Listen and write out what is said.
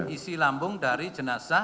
isi lambung dari jenazah